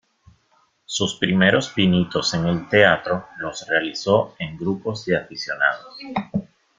Sus primeros pinitos en el teatro los realizó en grupos de aficionados.